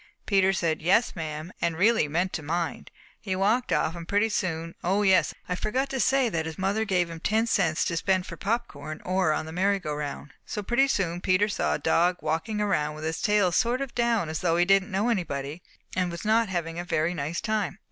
"Peter said 'yes, ma'am,' and really meant to mind. He walked off and pretty soon oh, yes, I forgot to say that his mother gave him ten cents to spend for popcorn or on the merry go round. So pretty soon Peter saw a dog walking around with his tail sort of down as though he didn't know anybody and was not having a very nice time.